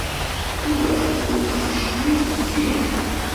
Tura ur d-yecqi deg-i.